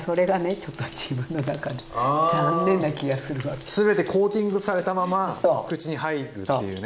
ちょっとああ全てコーティングされたまま口に入るっていうね。